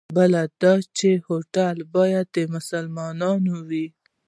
بل دا چې هوټل باید د مسلمانانو وي.